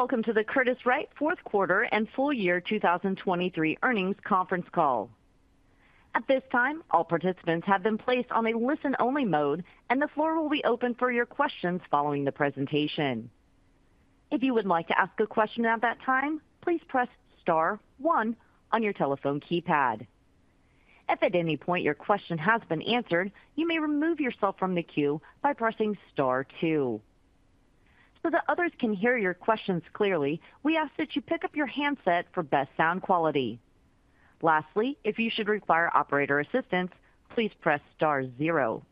Welcome to the Curtiss-Wright Fourth Quarter and Full Year 2023 Earnings Conference Call. At this time, all participants have been placed on a listen-only mode, and the floor will be open for your questions following the presentation. If you would like to ask a question at that time, please press star 1 on your telephone keypad. If at any point your question has been answered, you may remove yourself from the queue by pressing star 2. So that others can hear your questions clearly, we ask that you pick up your handset for best sound quality. Lastly, if you should require operator assistance, please press star 0.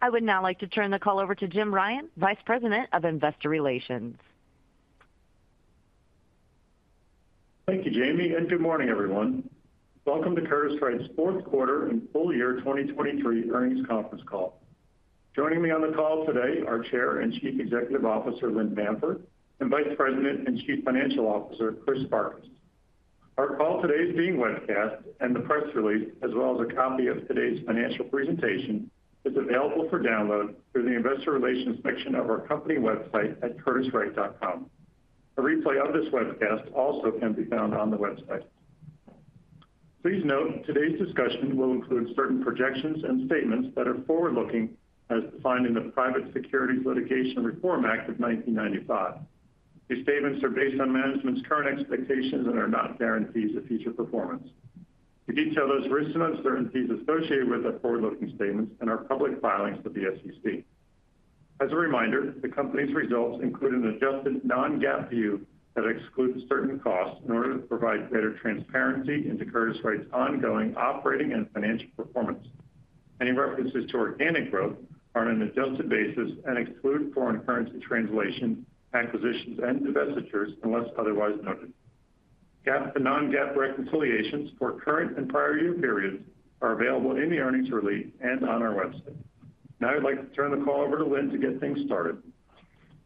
I would now like to turn the call over to Jim Ryan, Vice President of Investor Relations. Thank you, Jamie, and good morning, everyone. Welcome to Curtiss-Wright's Fourth Quarter and Full Year 2023 Earnings Conference Call. Joining me on the call today are Chair and Chief Executive Officer Lynn Bamford and Vice President and Chief Financial Officer Chris Farkas. Our call today's being webcast, and the press release, as well as a copy of today's financial presentation, is available for download through the Investor Relations section of our company website at curtisswright.com. A replay of this webcast also can be found on the website. Please note today's discussion will include certain projections and statements that are forward-looking as defined in the Private Securities Litigation Reform Act of 1995. These statements are based on management's current expectations and are not guarantees of future performance. We detail those risks and uncertainties associated with the forward-looking statements and our public filings to the SEC. As a reminder, the company's results include an adjusted non-GAAP view that excludes certain costs in order to provide greater transparency into Curtiss-Wright's ongoing operating and financial performance. Any references to organic growth are on an adjusted basis and exclude foreign currency translation, acquisitions, and divestitures unless otherwise noted. GAAP and non-GAAP reconciliations for current and prior year periods are available in the earnings release and on our website. Now I'd like to turn the call over to Lynn to get things started.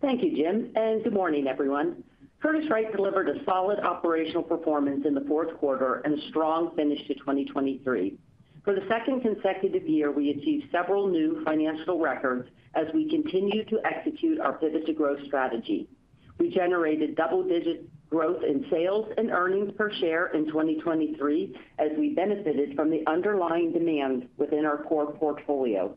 Thank you, Jim, and good morning, everyone. Curtiss-Wright delivered a solid operational performance in the fourth quarter and a strong finish to 2023. For the second consecutive year, we achieved several new financial records as we continue to execute our pivot-to-growth strategy. We generated double-digit growth in sales and earnings per share in 2023 as we benefited from the underlying demand within our core portfolio.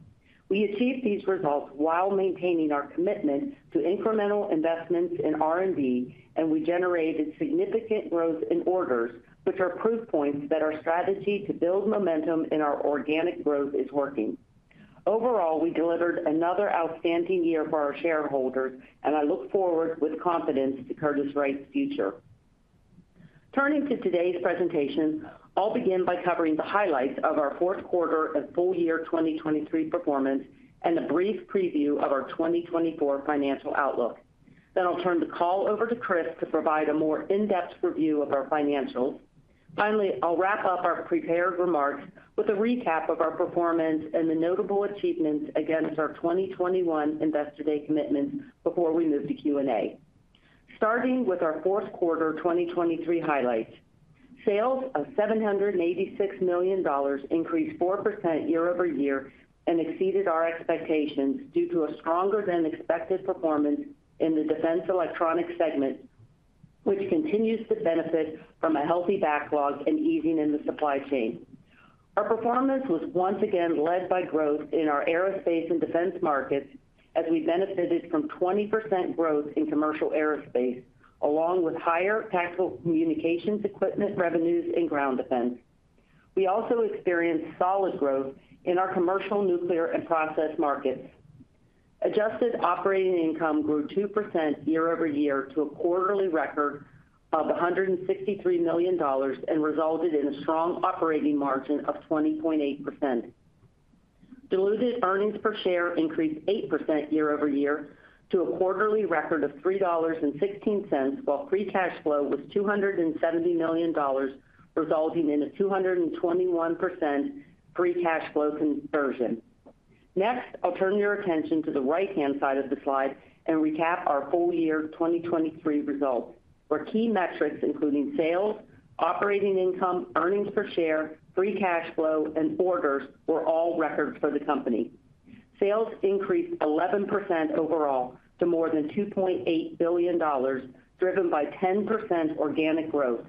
We achieved these results while maintaining our commitment to incremental investments in R&D, and we generated significant growth in orders, which are proof points that our strategy to build momentum in our organic growth is working. Overall, we delivered another outstanding year for our shareholders, and I look forward with confidence to Curtiss-Wright's future. Turning to today's presentation, I'll begin by covering the highlights of our fourth quarter and full year 2023 performance and a brief preview of our 2024 financial outlook. Then I'll turn the call over to Chris to provide a more in-depth review of our financials. Finally, I'll wrap up our prepared remarks with a recap of our performance and the notable achievements against our 2021 Investor Day commitments before we move to Q&A. Starting with our fourth quarter 2023 highlights. Sales of $786 million increased 4% year-over-year and exceeded our expectations due to a stronger-than-expected performance in the defense electronics segment, which continues to benefit from a healthy backlog and easing in the supply chain. Our performance was once again led by growth in our aerospace and defense markets as we benefited from 20% growth in commercial aerospace, along with higher tactical communications equipment revenues in ground defense. We also experienced solid growth in our commercial nuclear and process markets. Adjusted operating income grew 2% year-over-year to a quarterly record of $163 million and resulted in a strong operating margin of 20.8%. Diluted earnings per share increased 8% year-over-year to a quarterly record of $3.16, while free cash flow was $270 million, resulting in a 221% free cash flow conversion. Next, I'll turn your attention to the right-hand side of the slide and recap our full year 2023 results, where key metrics including sales, operating income, earnings per share, free cash flow, and orders were all records for the company. Sales increased 11% overall to more than $2.8 billion, driven by 10% organic growth,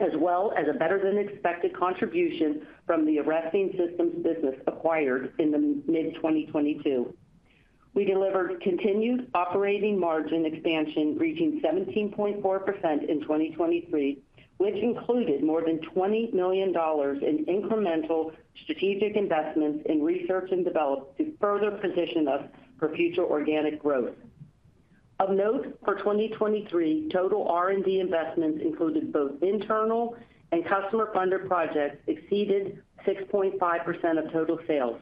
as well as a better-than-expected contribution from the Arresting Systems business acquired in mid-2022. We delivered continued operating margin expansion reaching 17.4% in 2023, which included more than $20 million in incremental strategic investments in research and development to further position us for future organic growth. Of note, for 2023, total R&D investments included both internal and customer-funded projects exceeded 6.5% of total sales.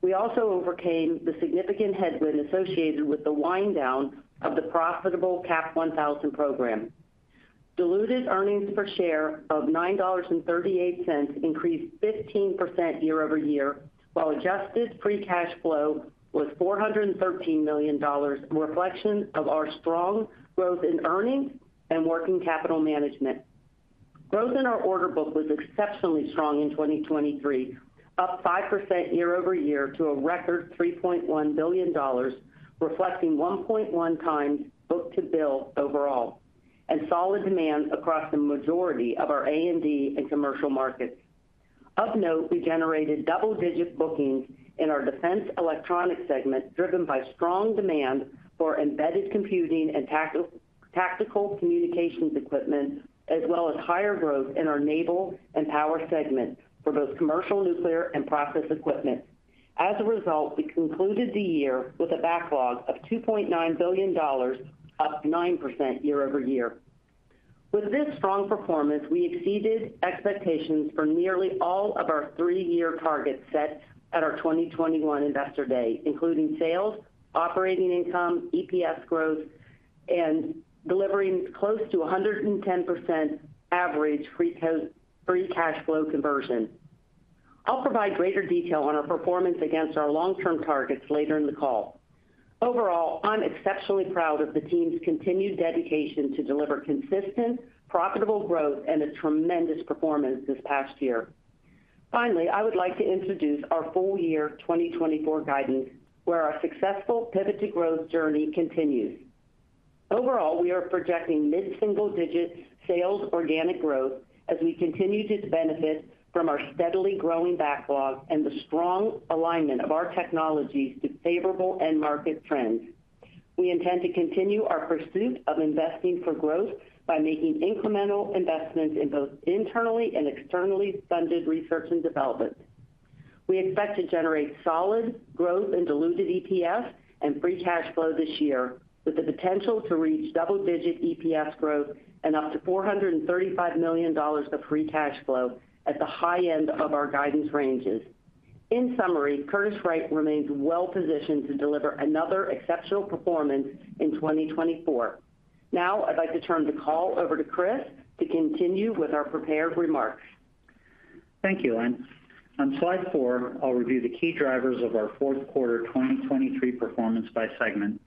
We also overcame the significant headwind associated with the winddown of the profitable CAP1000 program. Diluted earnings per share of $9.38 increased 15% year-over-year, while adjusted free cash flow was $413 million, a reflection of our strong growth in earnings and working capital management. Growth in our order book was exceptionally strong in 2023, up 5% year-over-year to a record $3.1 billion, reflecting 1.1x book-to-bill overall, and solid demand across the majority of our A&D and commercial markets. Of note, we generated double-digit bookings in our defense electronics segment, driven by strong demand for embedded computing and tactical communications equipment, as well as higher growth in our naval and power segment for both commercial nuclear and process equipment. As a result, we concluded the year with a backlog of $2.9 billion, up 9% year-over-year. With this strong performance, we exceeded expectations for nearly all of our three-year targets set at our 2021 Investor Day, including sales, operating income, EPS growth, and delivering close to 110% average free cash flow conversion. I'll provide greater detail on our performance against our long-term targets later in the call. Overall, I'm exceptionally proud of the team's continued dedication to deliver consistent, profitable growth and a tremendous performance this past year. Finally, I would like to introduce our full year 2024 guidance, where our successful pivot-to-growth journey continues. Overall, we are projecting mid-single-digit sales organic growth as we continue to benefit from our steadily growing backlog and the strong alignment of our technologies to favorable end-market trends. We intend to continue our pursuit of investing for growth by making incremental investments in both internally and externally funded research and development. We expect to generate solid growth in diluted EPS and free cash flow this year, with the potential to reach double-digit EPS growth and up to $435 million of free cash flow at the high end of our guidance ranges. In summary, Curtiss-Wright remains well-positioned to deliver another exceptional performance in 2024. Now I'd like to turn the call over to Chris to continue with our prepared remarks. Thank you, Lynn. On slide 4, I'll review the key drivers of our fourth quarter 2023 performance by segment.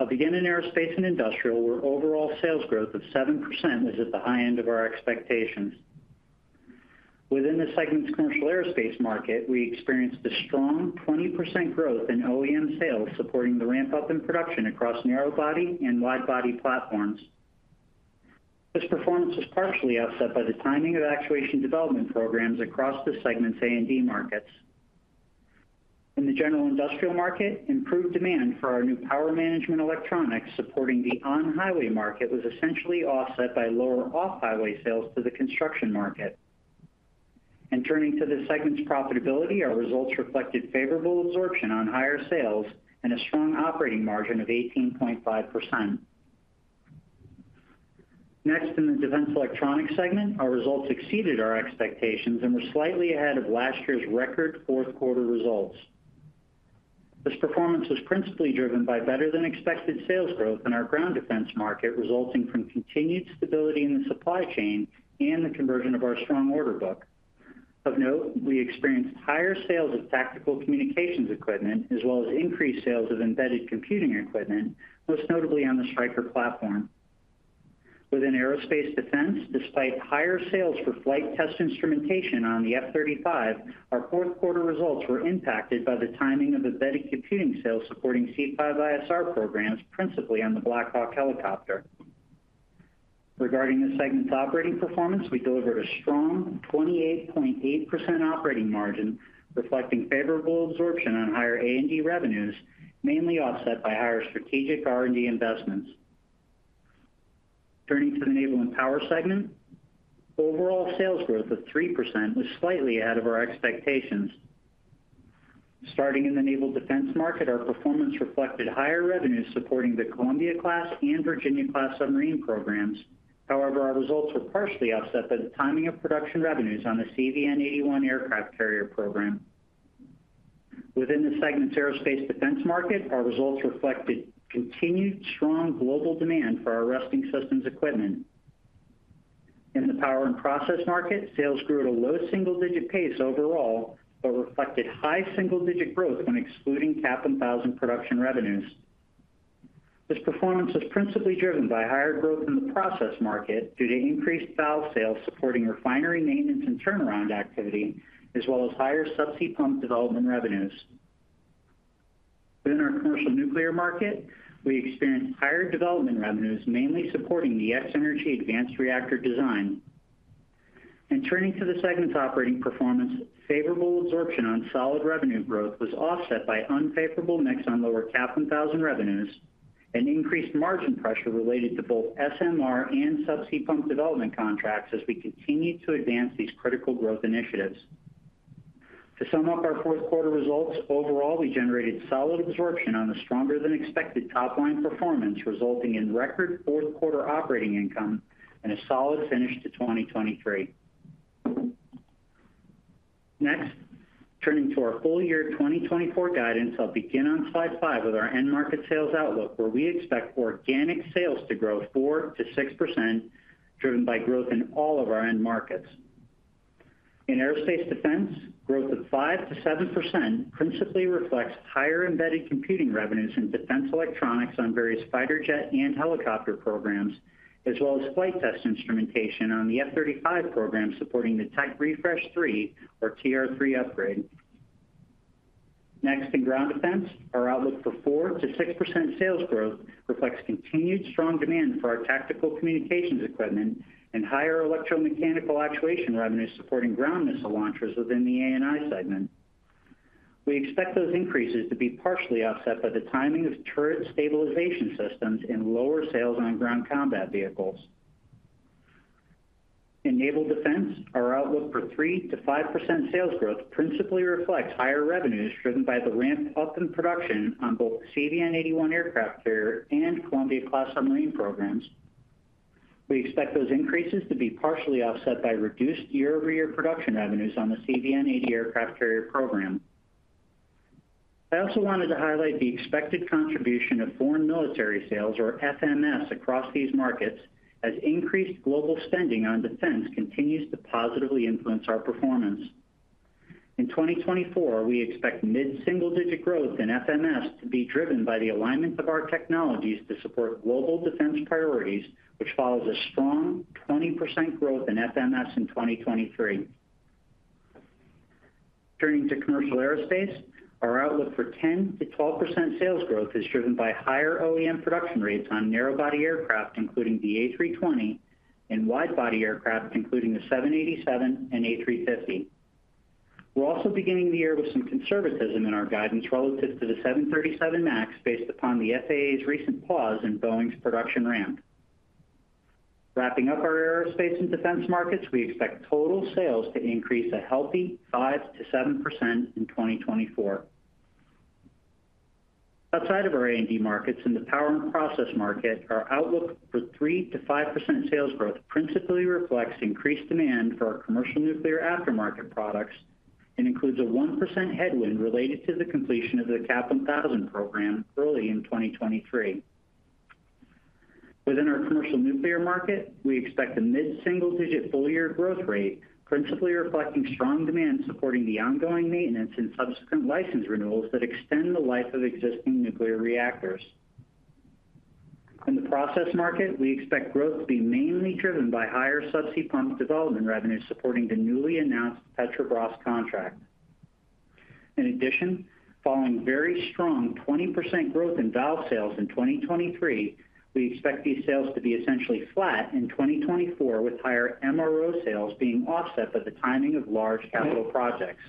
I'll begin in aerospace and industrial, where overall sales growth of 7% was at the high end of our expectations. Within the segment's commercial aerospace market, we experienced a strong 20% growth in OEM sales supporting the ramp-up in production across narrow-body and wide-body platforms. This performance was partially offset by the timing of actuation development programs across the segment's A&D markets. In the general industrial market, improved demand for our new power management electronics supporting the on-highway market was essentially offset by lower off-highway sales to the construction market. Turning to the segment's profitability, our results reflected favorable absorption on higher sales and a strong operating margin of 18.5%. Next, in the defense electronics segment, our results exceeded our expectations and were slightly ahead of last year's record fourth quarter results. This performance was principally driven by better-than-expected sales growth in our ground defense market, resulting from continued stability in the supply chain and the conversion of our strong order book. Of note, we experienced higher sales of tactical communications equipment as well as increased sales of embedded computing equipment, most notably on the Stryker platform. Within aerospace defense, despite higher sales for flight test instrumentation on the F-35, our fourth quarter results were impacted by the timing of embedded computing sales supporting C5ISR programs, principally on the Black Hawk helicopter. Regarding the segment's operating performance, we delivered a strong 28.8% operating margin, reflecting favorable absorption on higher A&D revenues, mainly offset by higher strategic R&D investments. Turning to the naval and power segment, overall sales growth of 3% was slightly ahead of our expectations. Starting in the naval defense market, our performance reflected higher revenues supporting the Columbia-class and Virginia-class submarine programs. However, our results were partially offset by the timing of production revenues on the CVN-81 aircraft carrier program. Within the segment's aerospace defense market, our results reflected continued strong global demand for our Arresting Systems equipment. In the power and process market, sales grew at a low single-digit pace overall but reflected high single-digit growth when excluding CAP1000 production revenues. This performance was principally driven by higher growth in the process market due to increased valve sales supporting refinery maintenance and turnaround activity, as well as higher subsea pump development revenues. Within our commercial nuclear market, we experienced higher development revenues, mainly supporting the X-energy advanced reactor design. Turning to the segment's operating performance, favorable absorption on solid revenue growth was offset by unfavorable mix on lower CAP1000 revenues and increased margin pressure related to both SMR and subsea pump development contracts as we continue to advance these critical growth initiatives. To sum up our fourth quarter results, overall, we generated solid absorption on a stronger-than-expected top-line performance, resulting in record fourth quarter operating income and a solid finish to 2023. Next, turning to our full year 2024 guidance, I'll begin on slide five with our end-market sales outlook, where we expect organic sales to grow 4%-6%, driven by growth in all of our end markets. In aerospace defense, growth of 5%-7% principally reflects higher embedded computing revenues in defense electronics on various fighter jet and helicopter programs, as well as flight test instrumentation on the F-35 program supporting the Tech Refresh 3, or TR-3 upgrade. Next, in ground defense, our outlook for 4%-6% sales growth reflects continued strong demand for our tactical communications equipment and higher electromechanical actuation revenues supporting ground missile launchers within the A&I segment. We expect those increases to be partially offset by the timing of turret stabilization systems and lower sales on ground combat vehicles. In naval defense, our outlook for 3%-5% sales growth principally reflects higher revenues driven by the ramp-up in production on both the CVN-81 aircraft carrier and Columbia-class submarine programs. We expect those increases to be partially offset by reduced year-over-year production revenues on the CVN-80 aircraft carrier program. I also wanted to highlight the expected contribution of foreign military sales, or FMS, across these markets as increased global spending on defense continues to positively influence our performance. In 2024, we expect mid-single-digit growth in FMS to be driven by the alignment of our technologies to support global defense priorities, which follows a strong 20% growth in FMS in 2023. Turning to commercial aerospace, our outlook for 10%-12% sales growth is driven by higher OEM production rates on narrow-body aircraft, including the A320, and wide-body aircraft, including the 787 and A350. We're also beginning the year with some conservatism in our guidance relative to the 737 MAX based upon the FAA's recent pause in Boeing's production ramp. Wrapping up our aerospace and defense markets, we expect total sales to increase a healthy 5%-7% in 2024. Outside of our A&D markets and the power and process market, our outlook for 3%-5% sales growth principally reflects increased demand for our commercial nuclear aftermarket products and includes a 1% headwind related to the completion of the CAP1000 program early in 2023. Within our commercial nuclear market, we expect a mid-single-digit full-year growth rate, principally reflecting strong demand supporting the ongoing maintenance and subsequent license renewals that extend the life of existing nuclear reactors. In the process market, we expect growth to be mainly driven by higher subsea pump development revenues supporting the newly announced Petrobras contract. In addition, following very strong 20% growth in valve sales in 2023, we expect these sales to be essentially flat in 2024, with higher MRO sales being offset by the timing of large capital projects.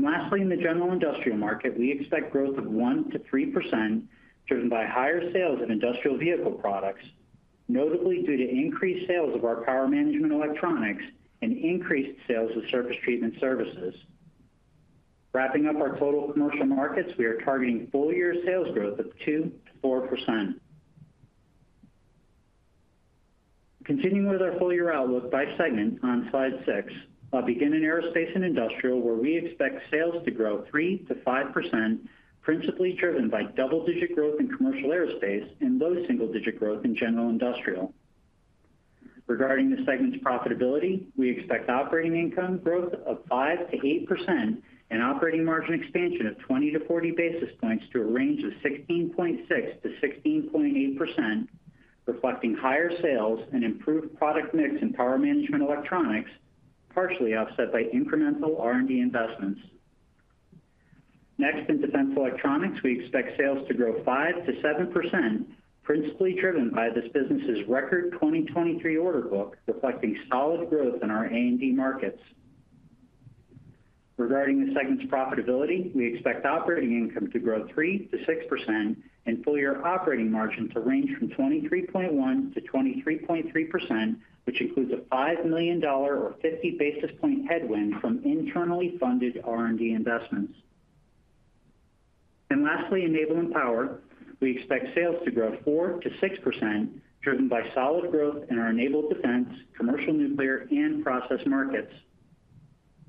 Lastly, in the general industrial market, we expect growth of 1%-3% driven by higher sales of industrial vehicle products, notably due to increased sales of our power management electronics and increased sales of surface treatment services. Wrapping up our total commercial markets, we are targeting full-year sales growth of 2%-4%. Continuing with our full-year outlook by segment on slide 6, I'll begin in aerospace and industrial, where we expect sales to grow 3%-5%, principally driven by double-digit growth in commercial aerospace and low single-digit growth in general industrial. Regarding the segment's profitability, we expect operating income growth of 5%-8% and operating margin expansion of 20-40 basis points to a range of 16.6%-16.8%, reflecting higher sales and improved product mix in power management electronics, partially offset by incremental R&D investments. Next, in defense electronics, we expect sales to grow 5%-7%, principally driven by this business's record 2023 order book, reflecting solid growth in our A&D markets. Regarding the segment's profitability, we expect operating income to grow 3%-6% and full-year operating margin to range from 23.1%-23.3%, which includes a $5 million or 50 basis point headwind from internally funded R&D investments. And lastly, in naval and power, we expect sales to grow 4%-6%, driven by solid growth in our enabled defense, commercial nuclear, and process markets.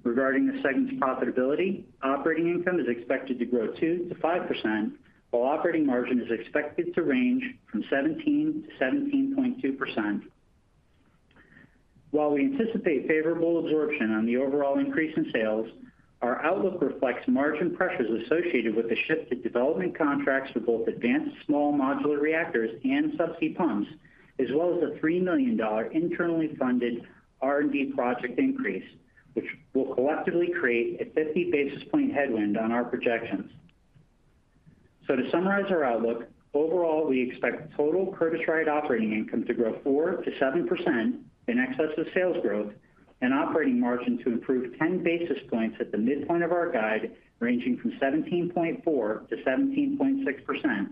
Regarding the segment's profitability, operating income is expected to grow 2%-5%, while operating margin is expected to range from 17%-17.2%. While we anticipate favorable absorption on the overall increase in sales, our outlook reflects margin pressures associated with the shift to development contracts for both advanced small modular reactors and subsea pumps, as well as a $3 million internally funded R&D project increase, which will collectively create a 50 basis point headwind on our projections. So to summarize our outlook, overall, we expect total Curtiss-Wright operating income to grow 4%-7% in excessive sales growth and operating margin to improve 10 basis points at the midpoint of our guide, ranging from 17.4%-17.6%.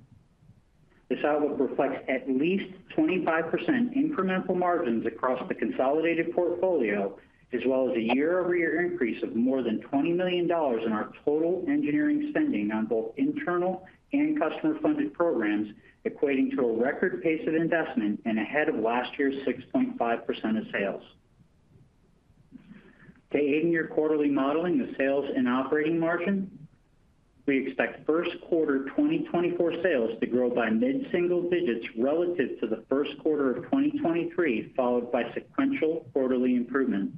This outlook reflects at least 25% incremental margins across the consolidated portfolio, as well as a year-over-year increase of more than $20 million in our total engineering spending on both internal and customer-funded programs, equating to a record pace of investment and ahead of last year's 6.5% of sales. To aid in your quarterly modeling of sales and operating margin, we expect first quarter 2024 sales to grow by mid-single digits relative to the first quarter of 2023, followed by sequential quarterly improvement.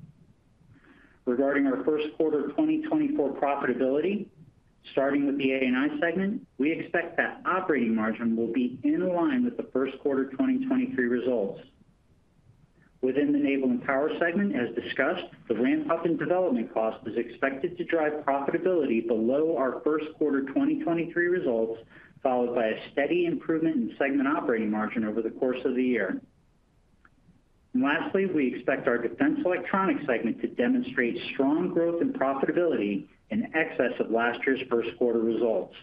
Regarding our first quarter 2024 profitability, starting with the A&I segment, we expect that operating margin will be in line with the first quarter 2023 results. Within the naval and power segment, as discussed, the ramp-up in development costs is expected to drive profitability below our first quarter 2023 results, followed by a steady improvement in segment operating margin over the course of the year. And lastly, we expect our defense electronics segment to demonstrate strong growth in profitability in excess of last year's first quarter results.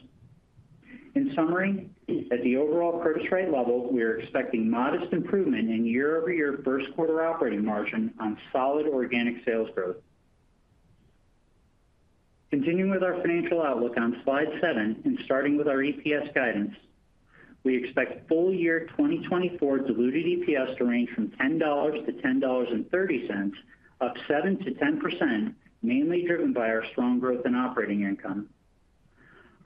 In summary, at the overall Curtiss-Wright level, we are expecting modest improvement in year-over-year first quarter operating margin on solid organic sales growth. Continuing with our financial outlook on slide 7 and starting with our EPS guidance, we expect full year 2024 diluted EPS to range from $10-$10.30, up 7%-10%, mainly driven by our strong growth in operating income.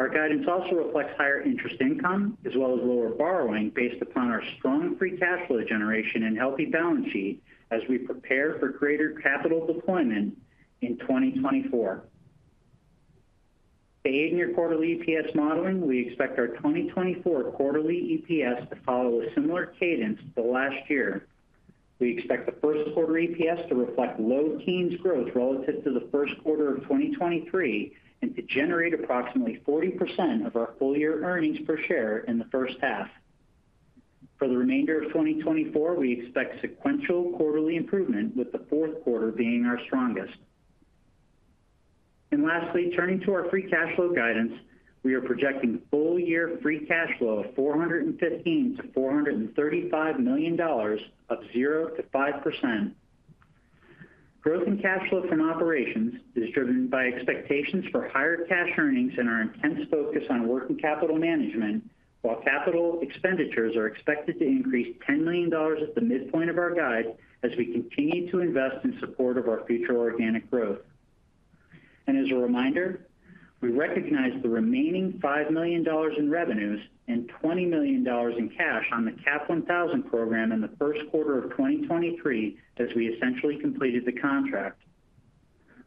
Our guidance also reflects higher interest income, as well as lower borrowing based upon our strong free cash flow generation and healthy balance sheet as we prepare for greater capital deployment in 2024. To aid in your quarterly EPS modeling, we expect our 2024 quarterly EPS to follow a similar cadence to last year. We expect the first quarter EPS to reflect low-teen growth relative to the first quarter of 2023 and to generate approximately 40% of our full-year earnings per share in the first half. For the remainder of 2024, we expect sequential quarterly improvement, with the fourth quarter being our strongest. Lastly, turning to our free cash flow guidance, we are projecting full year free cash flow of $415-$435 million, up 0%-5%. Growth in cash flow from operations is driven by expectations for higher cash earnings and our intense focus on working capital management, while capital expenditures are expected to increase $10 million at the midpoint of our guide as we continue to invest in support of our future organic growth. As a reminder, we recognize the remaining $5 million in revenues and $20 million in cash on the CAP1000 program in the first quarter of 2023 as we essentially completed the contract.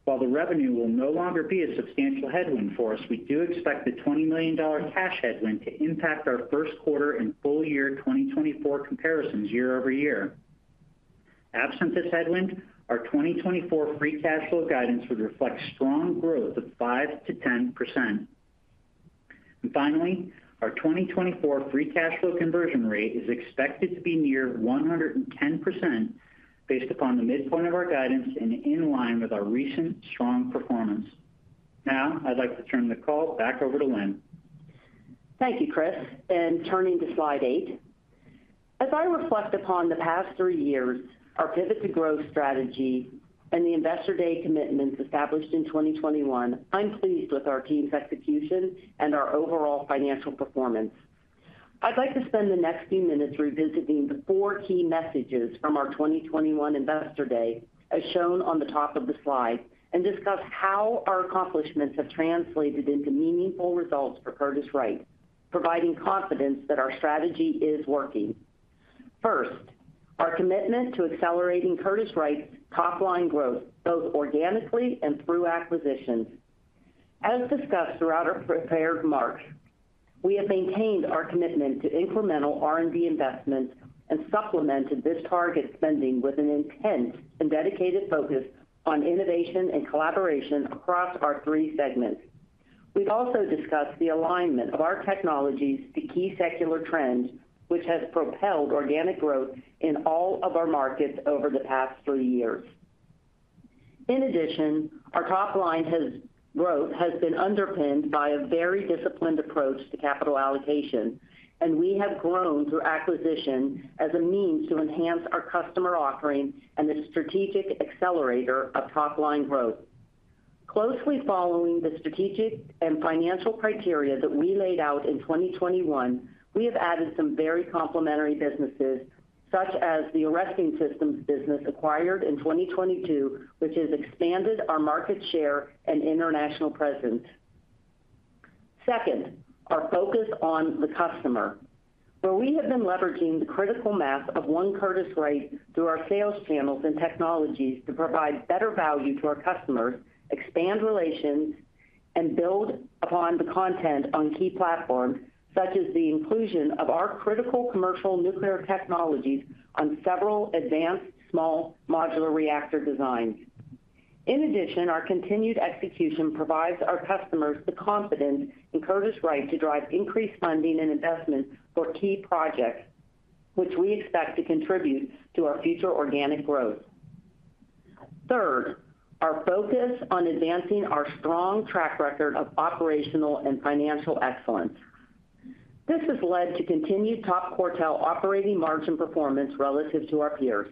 While the revenue will no longer be a substantial headwind for us, we do expect the $20 million cash headwind to impact our first quarter and full year 2024 comparisons year-over-year. Absent this headwind, our 2024 free cash flow guidance would reflect strong growth of 5%-10%. And finally, our 2024 free cash flow conversion rate is expected to be near 110% based upon the midpoint of our guidance and in line with our recent strong performance. Now, I'd like to turn the call back over to Lynn. Thank you, Chris. Turning to slide 8, as I reflect upon the past 3 years, our pivot to growth strategy, and the Investor Day commitments established in 2021, I'm pleased with our team's execution and our overall financial performance. I'd like to spend the next few minutes revisiting the 4 key messages from our 2021 Investor Day, as shown on the top of the slide, and discuss how our accomplishments have translated into meaningful results for Curtiss-Wright, providing confidence that our strategy is working. First, our commitment to accelerating Curtiss-Wright's top-line growth, both organically and through acquisitions. As discussed throughout our prepared marks, we have maintained our commitment to incremental R&D investments and supplemented this target spending with an intense and dedicated focus on innovation and collaboration across our three segments. We've also discussed the alignment of our technologies to key secular trends, which has propelled organic growth in all of our markets over the past three years. In addition, our top-line growth has been underpinned by a very disciplined approach to capital allocation, and we have grown through acquisition as a means to enhance our customer offering and a strategic accelerator of top-line growth. Closely following the strategic and financial criteria that we laid out in 2021, we have added some very complementary businesses, such as the arresting systems business acquired in 2022, which has expanded our market share and international presence. Second, our focus on the customer, where we have been leveraging the critical mass of one Curtiss-Wright through our sales channels and technologies to provide better value to our customers, expand relations, and build upon the content on key platforms, such as the inclusion of our critical commercial nuclear technologies on several advanced small modular reactor designs. In addition, our continued execution provides our customers the confidence in Curtiss-Wright to drive increased funding and investment for key projects, which we expect to contribute to our future organic growth. Third, our focus on advancing our strong track record of operational and financial excellence. This has led to continued top quartile operating margin performance relative to our peers.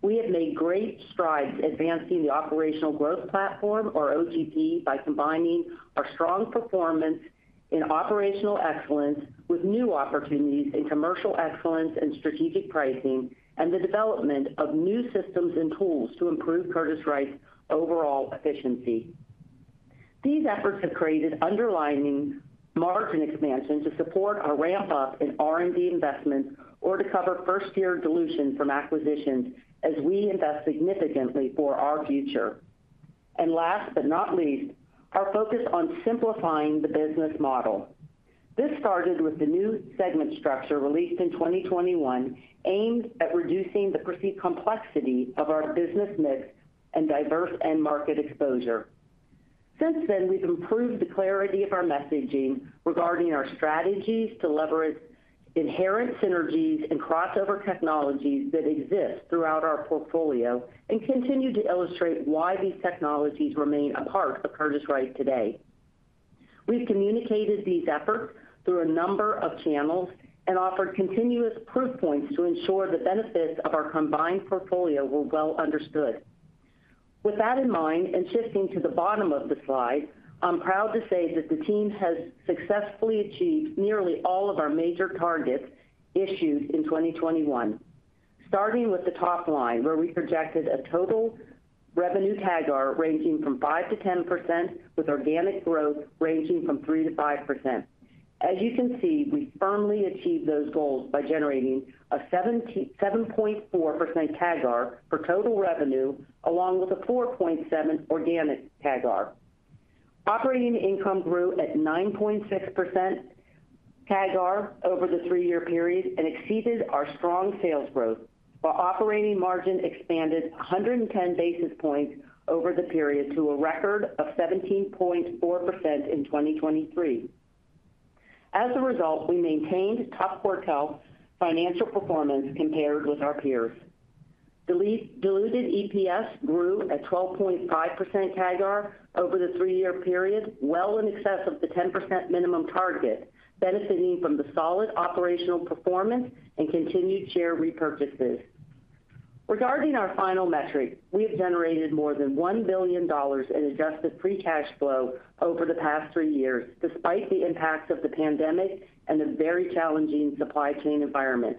We have made great strides advancing the Operational Growth Platform, or OGP, by combining our strong performance in operational excellence with new opportunities in commercial excellence and strategic pricing, and the development of new systems and tools to improve Curtiss-Wright's overall efficiency. These efforts have created underlying margin expansion to support our ramp-up in R&D investments or to cover first-year dilution from acquisitions as we invest significantly for our future. And last but not least, our focus on simplifying the business model. This started with the new segment structure released in 2021, aimed at reducing the perceived complexity of our business mix and diverse end-market exposure. Since then, we've improved the clarity of our messaging regarding our strategies to leverage inherent synergies and crossover technologies that exist throughout our portfolio and continue to illustrate why these technologies remain a part of Curtiss-Wright today. We've communicated these efforts through a number of channels and offered continuous proof points to ensure the benefits of our combined portfolio were well understood. With that in mind and shifting to the bottom of the slide, I'm proud to say that the team has successfully achieved nearly all of our major targets issued in 2021, starting with the top line, where we projected a total revenue CAGR ranging from 5%-10%, with organic growth ranging from 3%-5%. As you can see, we firmly achieved those goals by generating a 7.4% CAGR for total revenue, along with a 4.7% organic CAGR. Operating income grew at 9.6% CAGR over the three-year period and exceeded our strong sales growth, while operating margin expanded 110 basis points over the period to a record of 17.4% in 2023. As a result, we maintained top quartile financial performance compared with our peers. Diluted EPS grew at 12.5% CAGR over the three-year period, well in excess of the 10% minimum target, benefiting from the solid operational performance and continued share repurchases. Regarding our final metric, we have generated more than $1 billion in adjusted free cash flow over the past three years, despite the impacts of the pandemic and the very challenging supply chain environment.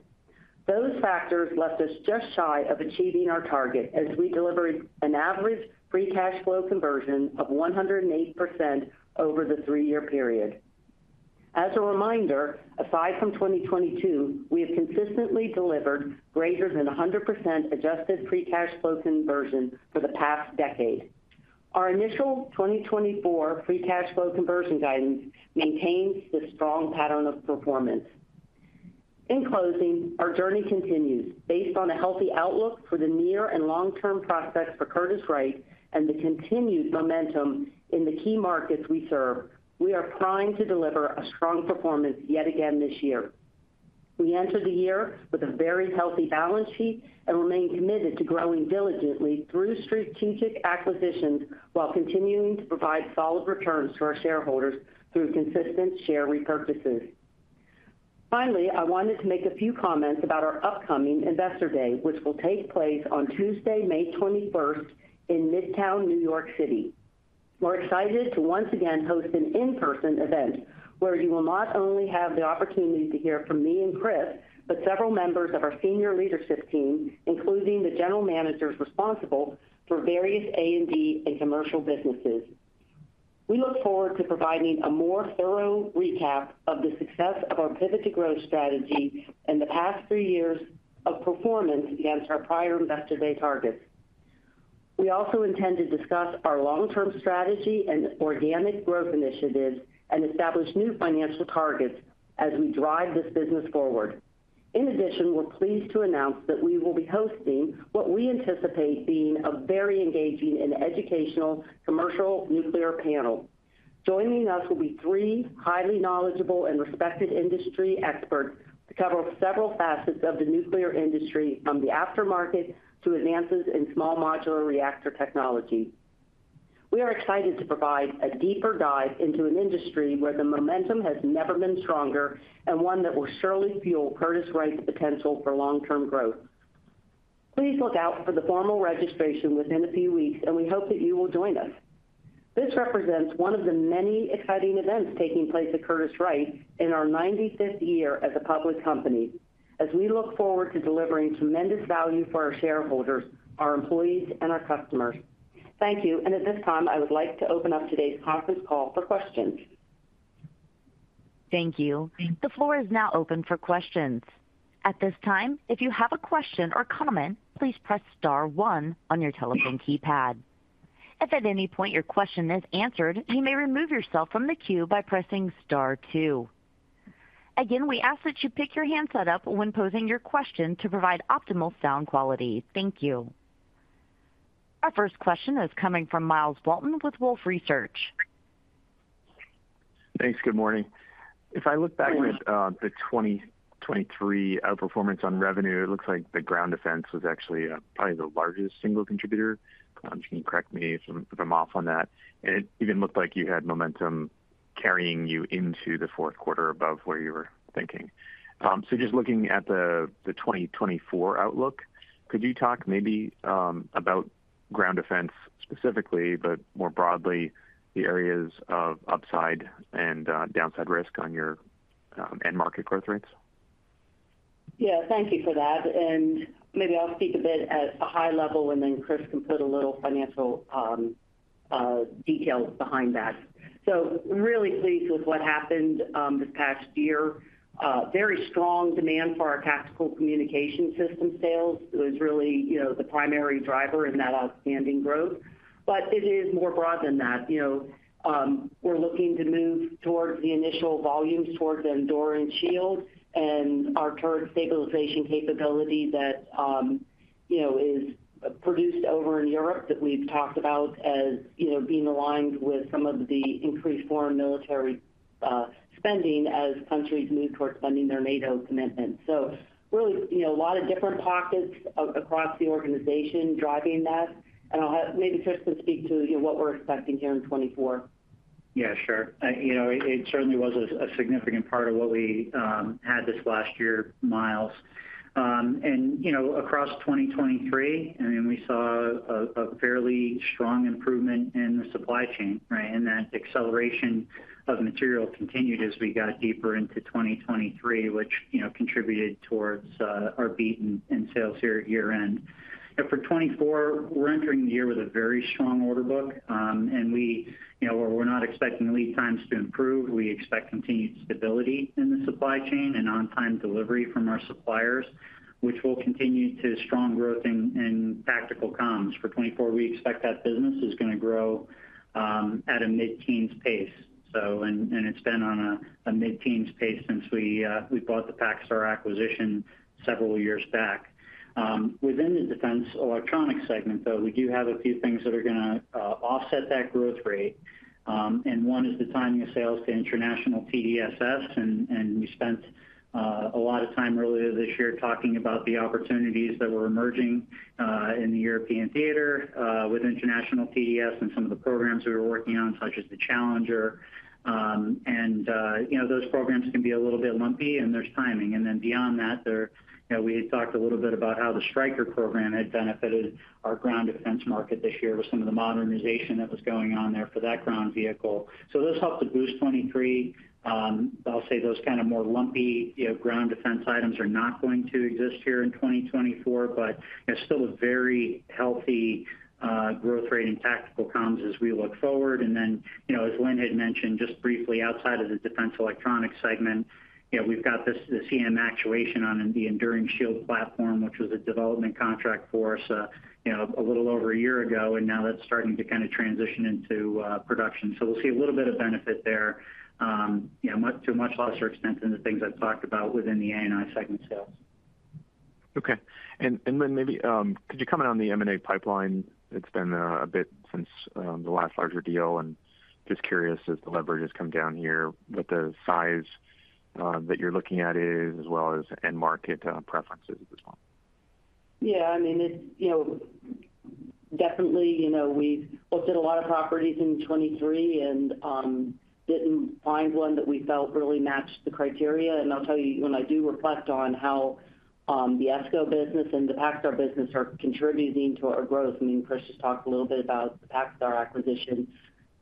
Those factors left us just shy of achieving our target, as we delivered an average free cash flow conversion of 108% over the three-year period. As a reminder, aside from 2022, we have consistently delivered greater than 100% adjusted free cash flow conversion for the past decade. Our initial 2024 free cash flow conversion guidance maintains the strong pattern of performance. In closing, our journey continues. Based on a healthy outlook for the near and long-term prospects for Curtiss-Wright and the continued momentum in the key markets we serve, we are primed to deliver a strong performance yet again this year. We enter the year with a very healthy balance sheet and remain committed to growing diligently through strategic acquisitions while continuing to provide solid returns to our shareholders through consistent share repurchases. Finally, I wanted to make a few comments about our upcoming Investor Day, which will take place on Tuesday, May 21st, in Midtown, New York City. We're excited to once again host an in-person event where you will not only have the opportunity to hear from me and Chris, but several members of our senior leadership team, including the general managers responsible for various A&D and commercial businesses. We look forward to providing a more thorough recap of the success of our pivot to growth strategy and the past three years of performance against our prior Investor Day targets. We also intend to discuss our long-term strategy and organic growth initiatives and establish new financial targets as we drive this business forward. In addition, we're pleased to announce that we will be hosting what we anticipate being a very engaging and educational commercial nuclear panel. Joining us will be three highly knowledgeable and respected industry experts to cover several facets of the nuclear industry, from the aftermarket to advances in small modular reactor technology. We are excited to provide a deeper dive into an industry where the momentum has never been stronger and one that will surely fuel Curtiss-Wright's potential for long-term growth. Please look out for the formal registration within a few weeks, and we hope that you will join us. This represents one of the many exciting events taking place at Curtiss-Wright in our 95th year as a public company, as we look forward to delivering tremendous value for our shareholders, our employees, and our customers. Thank you. At this time, I would like to open up today's conference call for questions. Thank you. The floor is now open for questions. At this time, if you have a question or comment, please press star one on your telephone keypad. If at any point your question is answered, you may remove yourself from the queue by pressing star two. Again, we ask that you pick your handset up when posing your question to provide optimal sound quality. Thank you. Our first question is coming from Miles Walton with Wolfe Research. Thanks. Good morning. If I look back at the 2023 outperformance on revenue, it looks like the ground defense was actually probably the largest single contributor. If you can correct me if I'm off on that. It even looked like you had momentum carrying you into the fourth quarter above where you were thinking. Just looking at the 2024 outlook, could you talk maybe about ground defense specifically, but more broadly, the areas of upside and downside risk on your end-market growth rates? Yeah. Thank you for that. Maybe I'll speak a bit at a high level, and then Chris can put a little financial details behind that. Really pleased with what happened this past year. Very strong demand for our tactical communication systems sales was really the primary driver in that outstanding growth. But it is more broad than that. We're looking to move towards the initial volumes towards Enduring Shield and our turret stabilization capability that is produced over in Europe that we've talked about as being aligned with some of the increased foreign military spending as countries move towards funding their NATO commitments. Really, a lot of different pockets across the organization driving that. Maybe Chris can speak to what we're expecting here in 2024. Yeah. Sure. It certainly was a significant part of what we had this last year, Miles. And across 2023, I mean, we saw a fairly strong improvement in the supply chain, right? And that acceleration of material continued as we got deeper into 2023, which contributed towards our beat in sales year-end. For 2024, we're entering the year with a very strong order book. And where we're not expecting lead times to improve, we expect continued stability in the supply chain and on-time delivery from our suppliers, which will continue to strong growth in tactical comms. For 2024, we expect that business is going to grow at a mid-teens pace. And it's been on a mid-teens pace since we bought the PacStar acquisition several years back. Within the defense electronics segment, though, we do have a few things that are going to offset that growth rate. One is the timing of sales to international TDSS. We spent a lot of time earlier this year talking about the opportunities that were emerging in the European theater with international TDSS and some of the programs we were working on, such as the Challenger. Those programs can be a little bit lumpy, and there's timing. Then beyond that, we had talked a little bit about how the Stryker program had benefited our ground defense market this year with some of the modernization that was going on there for that ground vehicle. So those helped to boost 2023. I'll say those kind of more lumpy ground defense items are not going to exist here in 2024, but still a very healthy growth rate in tactical comms as we look forward. And then, as Lynn had mentioned just briefly, outside of the defense electronics segment, we've got the CM Actuation on the Enduring Shield platform, which was a development contract for us a little over a year ago. And now that's starting to kind of transition into production. So we'll see a little bit of benefit there, to a much lesser extent than the things I've talked about within the A&I segment sales. Okay. And Lynn, maybe could you comment on the M&A pipeline? It's been a bit since the last larger deal. And just curious, as the leverage has come down here, what the size that you're looking at is, as well as end-market preferences as well. Yeah. I mean, definitely, we looked at a lot of properties in 2023 and didn't find one that we felt really matched the criteria. And I'll tell you, when I do reflect on how the ESCO business and the PacStar business are contributing to our growth I mean, Chris just talked a little bit about the PacStar acquisition.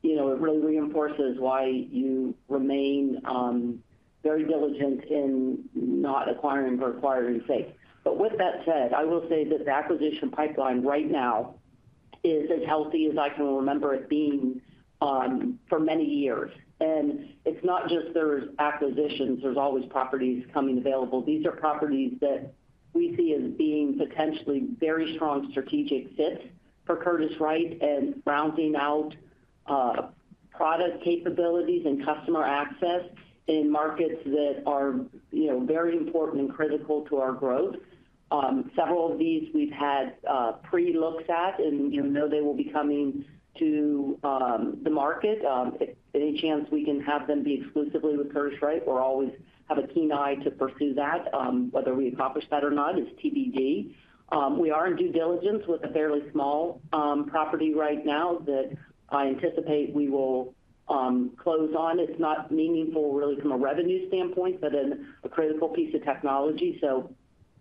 It really reinforces why you remain very diligent in not acquiring for acquiring's sake. But with that said, I will say that the acquisition pipeline right now is as healthy as I can remember it being for many years. And it's not just there's acquisitions. There's always properties coming available. These are properties that we see as being potentially very strong strategic fits for Curtiss-Wright and rounding out product capabilities and customer access in markets that are very important and critical to our growth. Several of these, we've had pre-looks at and know they will be coming to the market. If any chance we can have them be exclusively with Curtiss-Wright, we'll always have a keen eye to pursue that, whether we accomplish that or not, is TBD. We are in due diligence with a fairly small property right now that I anticipate we will close on. It's not meaningful, really, from a revenue standpoint, but a critical piece of technology. So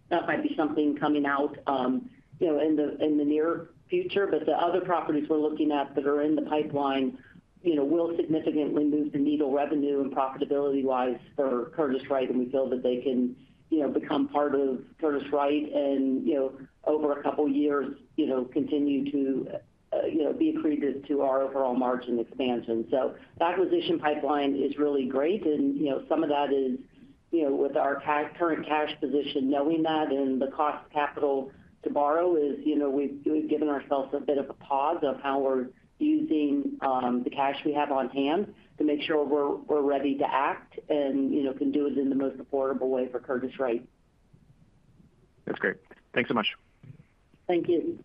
that might be something coming out in the near future. But the other properties we're looking at that are in the pipeline will significantly move the needle revenue and profitability-wise for Curtiss-Wright. And we feel that they can become part of Curtiss-Wright and, over a couple of years, continue to be accretive to our overall margin expansion. So the acquisition pipeline is really great. Some of that is with our current cash position, knowing that, and the cost of capital to borrow. We've given ourselves a bit of a pause of how we're using the cash we have on hand to make sure we're ready to act and can do it in the most affordable way for Curtiss-Wright. That's great. Thanks so much. Thank you.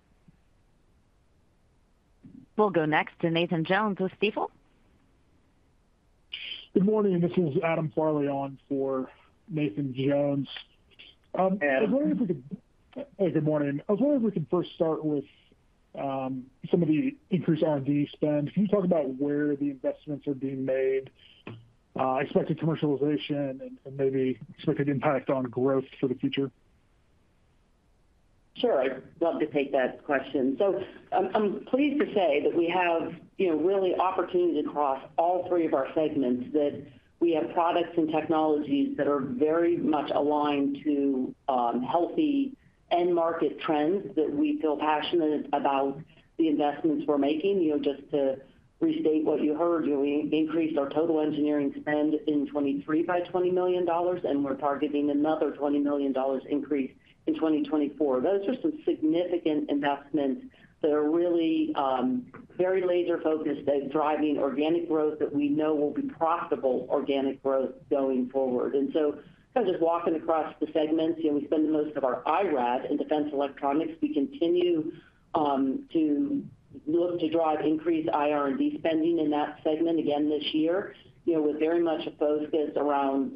We'll go next to Nathan Jones with Stifel. Good morning. This is Adam Farley on for Nathan Jones. I was wondering if we could first start with some of the increased R&D spend. Can you talk about where the investments are being made, expected commercialization, and maybe expected impact on growth for the future? Sure. I'd love to take that question. So I'm pleased to say that we have really opportunities across all three of our segments, that we have products and technologies that are very much aligned to healthy end-market trends that we feel passionate about the investments we're making. Just to restate what you heard, we increased our total engineering spend in 2023 by $20 million, and we're targeting another $20 million increase in 2024. Those are some significant investments that are really very laser-focused at driving organic growth that we know will be profitable organic growth going forward. And so kind of just walking across the segments, we spend the most of our IRAD in defense electronics. We continue to look to drive increased IR&D spending in that segment, again, this year, with very much a focus around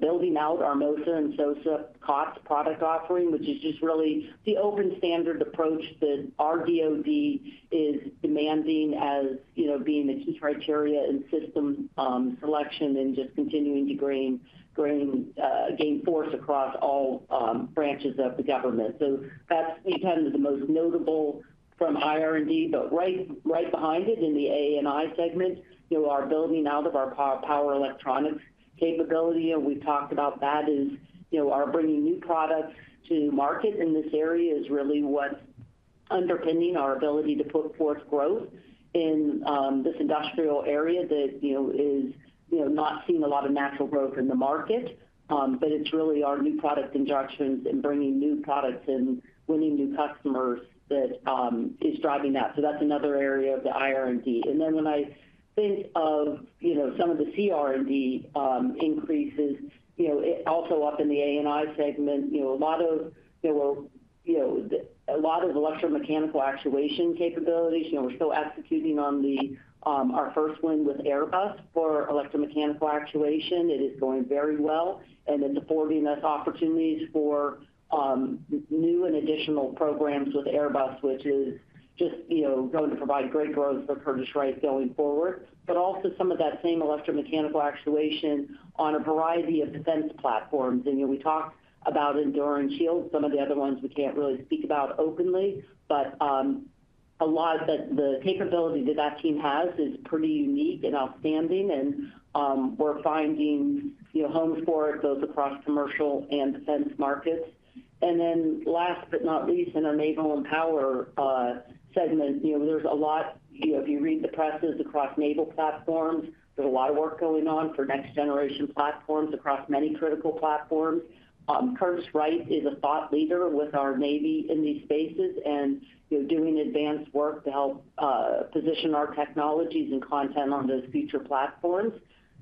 building out our MOSA and SOSA COTS product offering, which is just really the open standard approach that our DOD is demanding as being the key criteria in system selection and just continuing to gain force across all branches of the government. So that's kind of the most notable from IR&D. But right behind it in the A&I segment, our building out of our power electronics capability. And we've talked about that as our bringing new products to market in this area is really what's underpinning our ability to put forth growth in this industrial area that is not seeing a lot of natural growth in the market. But it's really our new product injections and bringing new products and winning new customers that is driving that. So that's another area of the IR&D. And then when I think of some of the CR&D increases, also up in the A&I segment, a lot of where a lot of electromechanical actuation capabilities. We're still executing on our first win with Airbus for electromechanical actuation. It is going very well. And it's affording us opportunities for new and additional programs with Airbus, which is just going to provide great growth for Curtiss-Wright going forward, but also some of that same electromechanical actuation on a variety of defense platforms. And we talked about Enduring Shield. Some of the other ones, we can't really speak about openly. But a lot that the capability that that team has is pretty unique and outstanding. And we're finding homes for it, both across commercial and defense markets. And then last but not least, in our naval and power segment, there's a lot if you read the presses across naval platforms, there's a lot of work going on for next-generation platforms across many critical platforms. Curtiss-Wright is a thought leader with our navy in these spaces and doing advanced work to help position our technologies and content on those future platforms.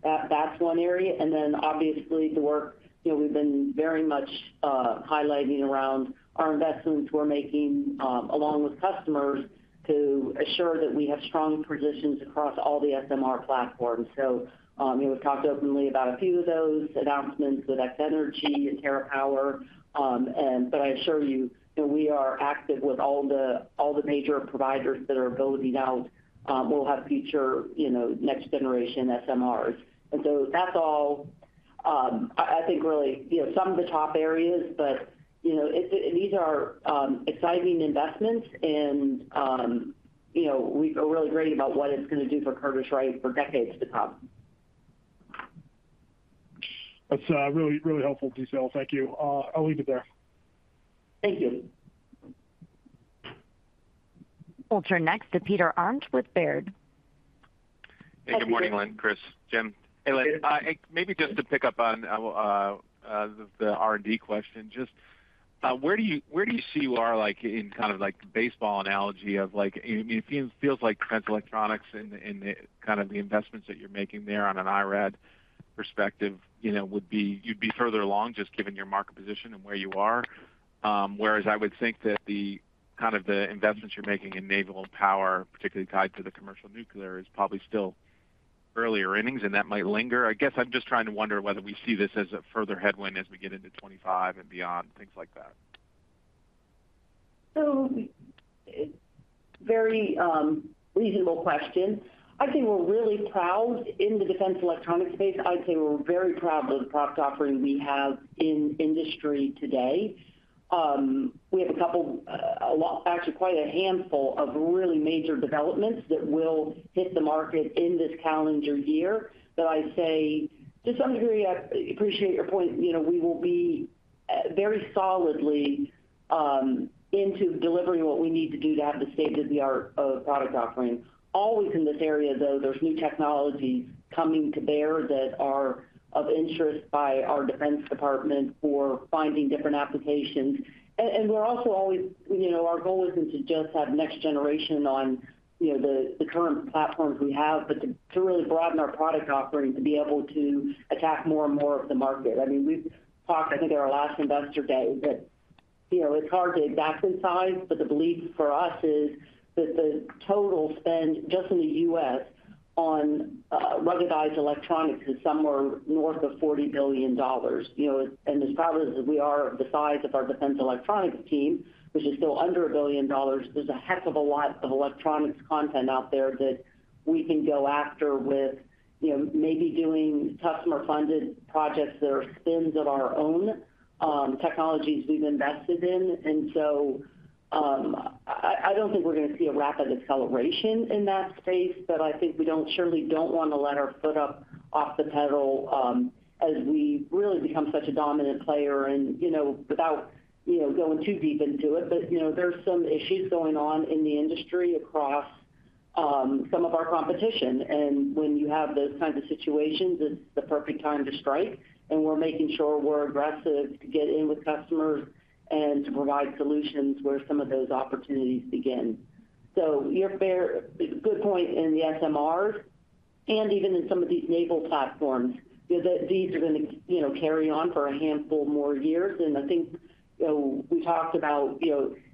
That's one area. And then, obviously, the work we've been very much highlighting around our investments we're making along with customers to assure that we have strong positions across all the SMR platforms. So we've talked openly about a few of those announcements with X-energy and TerraPower. But I assure you, we are active with all the major providers that are building out will have future next-generation SMRs. And so that's all, I think, really some of the top areas. But these are exciting investments. We feel really great about what it's going to do for Curtiss-Wright for decades to come. That's really, really helpful detail. Thank you. I'll leave it there. Thank you. We'll turn next to Peter Arment with Baird. Hey. Good morning, Lynn, Chris, Jim. Hey. Lynn, maybe just to pick up on the R&D question, just where do you see you are in kind of the baseball analogy of, I mean, it feels like defense electronics and kind of the investments that you're making there on an IRAD perspective would be, you'd be further along just given your market position and where you are. Whereas I would think that kind of the investments you're making in naval and power, particularly tied to the commercial nuclear, is probably still earlier innings, and that might linger. I guess I'm just trying to wonder whether we see this as a further headwind as we get into 2025 and beyond, things like that. It's a very reasonable question. I'd say we're really proud in the defense electronics space. I'd say we're very proud of the product offering we have in industry today. We have a couple actually, quite a handful of really major developments that will hit the market in this calendar year that I'd say, to some degree, I appreciate your point. We will be very solidly into delivering what we need to do to have the state-of-the-art product offering. Always in this area, though, there's new technologies coming to bear that are of interest by our defense department for finding different applications. We're also always our goal isn't to just have next generation on the current platforms we have, but to really broaden our product offering to be able to attack more and more of the market. I mean, we've talked I think at our last investor day, that it's hard to exactly size. But the belief for us is that the total spend just in the U.S. on ruggedized electronics is somewhere north of $40 billion. And as proud as we are of the size of our defense electronics team, which is still under $1 billion, there's a heck of a lot of electronics content out there that we can go after with maybe doing customer-funded projects that are spins of our own technologies we've invested in. And so I don't think we're going to see a rapid acceleration in that space. But I think we surely don't want to let our foot up off the pedal as we really become such a dominant player and without going too deep into it. But there's some issues going on in the industry across some of our competition. When you have those kinds of situations, it's the perfect time to strike. We're making sure we're aggressive to get in with customers and to provide solutions where some of those opportunities begin. So you raise a good point in the SMRs and even in some of these naval platforms, that these are going to carry on for a handful more years. I think we talked about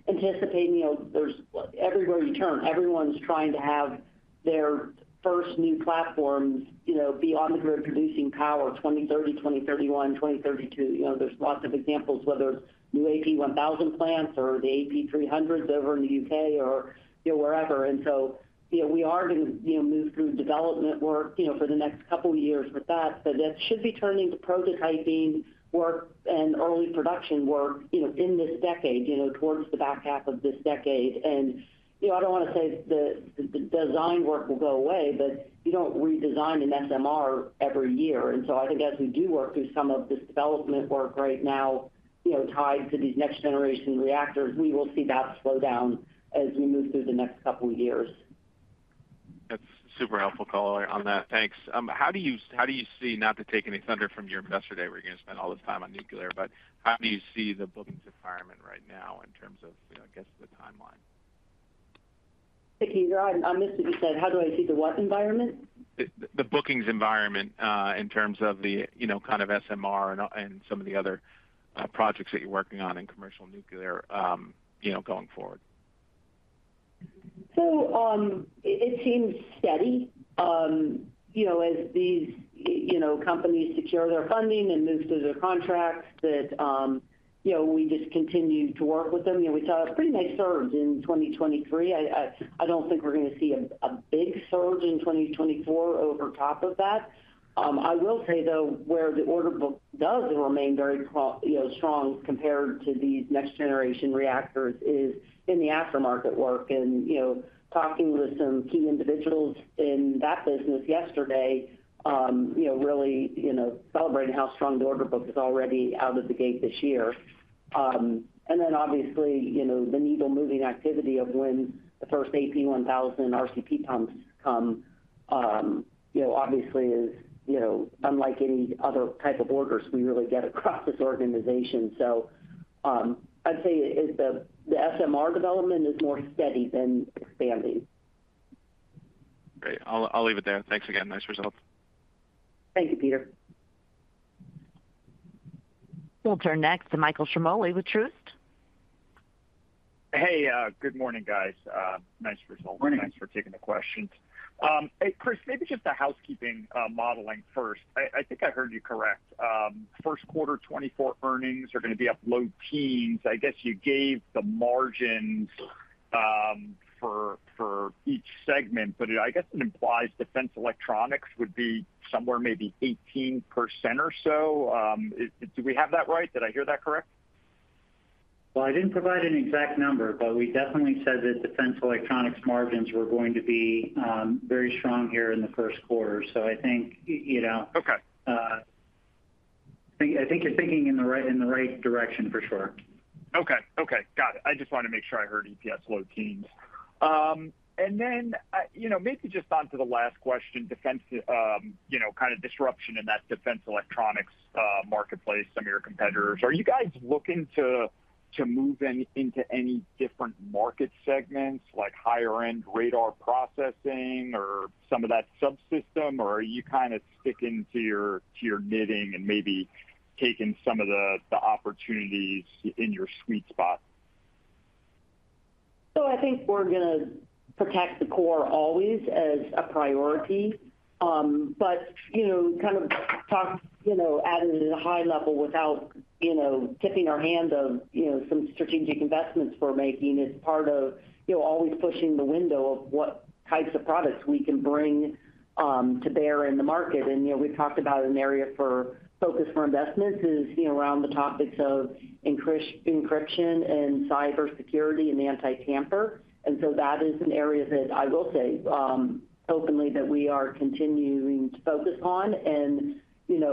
anticipating there's everywhere you turn, everyone's trying to have their first new platforms be on the grid producing power 2030, 2031, 2032. There's lots of examples, whether it's new AP1000 plants or the AP300s over in the UK or wherever. So we are going to move through development work for the next couple of years with that. But that should be turning to prototyping work and early production work in this decade, towards the back half of this decade. And I don't want to say the design work will go away, but you don't redesign an SMR every year. And so I think as we do work through some of this development work right now tied to these next-generation reactors, we will see that slow down as we move through the next couple of years. That's super helpful color on that. Thanks. How do you see not to take any thunder from your Investor Day where you're going to spend all this time on nuclear, but how do you see the bookings environment right now in terms of, I guess, the timeline? Thank you. I missed what you said. How do I see the what environment? The bookings environment in terms of the kind of SMR and some of the other projects that you're working on in commercial nuclear going forward. It seems steady as these companies secure their funding and move to their contracts, that we just continue to work with them. We saw a pretty nice surge in 2023. I don't think we're going to see a big surge in 2024 over top of that. I will say, though, where the order book does remain very strong compared to these next-generation reactors is in the aftermarket work. Talking with some key individuals in that business yesterday, really celebrating how strong the order book is already out of the gate this year. Then, obviously, the needle-moving activity of when the first AP1000 RCP pumps come, obviously, is unlike any other type of orders we really get across this organization. So I'd say the SMR development is more steady than expanding. Great. I'll leave it there. Thanks again. Nice results. Thank you, Peter. We'll turn next to Michael Ciarmoli with Truist. Hey. Good morning, guys. Nice results. Thanks for taking the questions. Chris, maybe just the housekeeping modeling first. I think I heard you correct. First quarter 2024 earnings are going to be up low teens. I guess you gave the margins for each segment, but I guess it implies defense electronics would be somewhere maybe 18% or so. Do we have that right? Did I hear that correct? Well, I didn't provide an exact number, but we definitely said that defense electronics margins were going to be very strong here in the first quarter. So I think you're thinking in the right direction, for sure. Okay. Okay. Got it. I just wanted to make sure I heard EPS low teens. And then maybe just onto the last question, kind of disruption in that defense electronics marketplace, some of your competitors. Are you guys looking to move into any different market segments, like higher-end radar processing or some of that subsystem? Or are you kind of sticking to your knitting and maybe taking some of the opportunities in your sweet spot? I think we're going to protect the core always as a priority. But kind of talk at a high level without tipping our hand of some strategic investments we're making is part of always pushing the window of what types of products we can bring to bear in the market. And we've talked about an area for focus for investments is around the topics of encryption and cybersecurity and anti-tamper. And so that is an area that I will say openly that we are continuing to focus on and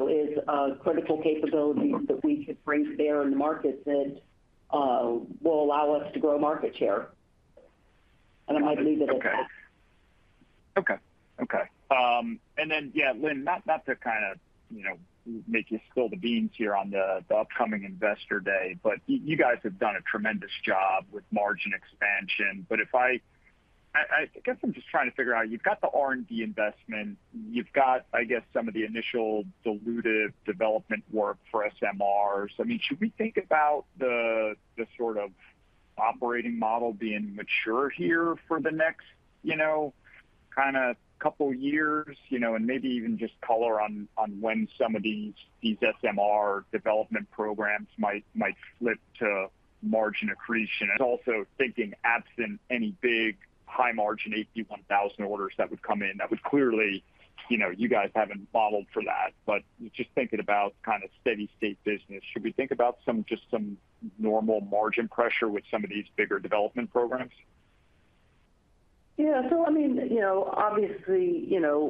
is critical capabilities that we can bring to bear in the market that will allow us to grow market share. And I might leave it at that. Okay. Okay. And then, yeah, Lynn, not to kind of make you spill the beans here on the upcoming investor day, but you guys have done a tremendous job with margin expansion. But I guess I'm just trying to figure out, you've got the R&D investment. You've got, I guess, some of the initial diluted development work for SMRs. I mean, should we think about the sort of operating model being mature here for the next kind of couple of years? And maybe even just color on when some of these SMR development programs might flip to margin accretion. Also thinking absent any big high-margin AP1000 orders that would come in, that would clearly you guys haven't modeled for that. But just thinking about kind of steady-state business, should we think about just some normal margin pressure with some of these bigger development programs? Yeah. So I mean, obviously,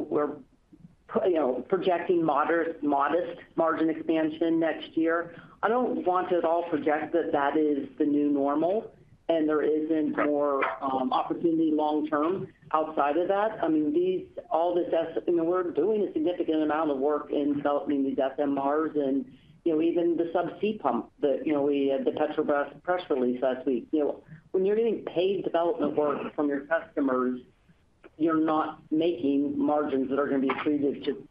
we're projecting modest margin expansion next year. I don't want to at all project that that is the new normal and there isn't more opportunity long-term outside of that. I mean, all this we're doing a significant amount of work in developing these SMRs and even the subsea pump that we had the Petrobras press release last week. When you're getting paid development work from your customers, you're not making margins that are going to be attributed to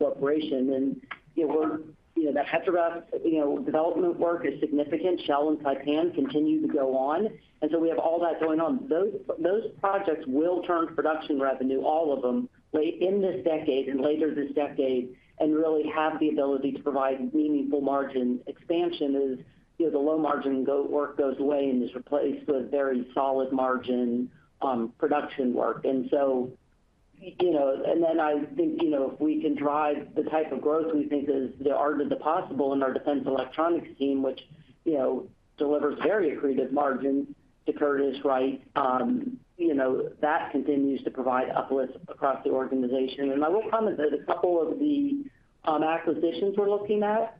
the corporation. And that Petrobras development work is significant. Shell and Titan continue to go on. And so we have all that going on. Those projects will turn to production revenue, all of them, in this decade and later this decade, and really have the ability to provide meaningful margin expansion as the low-margin work goes away and is replaced with very solid-margin production work. I think if we can drive the type of growth we think is the art of the possible in our defense electronics team, which delivers very accretive margins to Curtiss-Wright, that continues to provide uplifts across the organization. I will comment that a couple of the acquisitions we're looking at,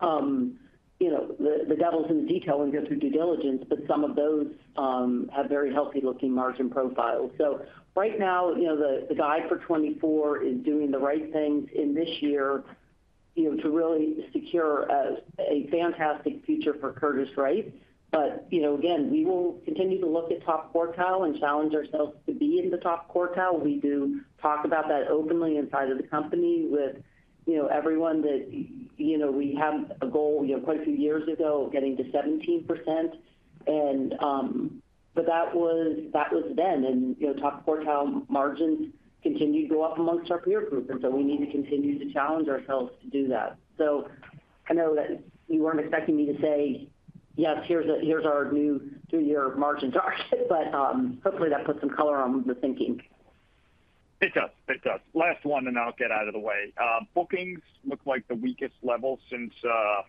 the devil's in the detail when you go through due diligence, but some of those have very healthy-looking margin profiles. Right now, the guide for 2024 is doing the right things in this year to really secure a fantastic future for Curtiss-Wright. Again, we will continue to look at top quartile and challenge ourselves to be in the top quartile. We do talk about that openly inside of the company with everyone that we had a goal quite a few years ago of getting to 17%. That was then. Top-quartile margins continued to go up among our peer group. So we need to continue to challenge ourselves to do that. I know that you weren't expecting me to say, "Yes, here's our new three-year margin target." But hopefully, that puts some color on the thinking. It does. It does. Last one, and I'll get out of the way. Bookings look like the weakest level since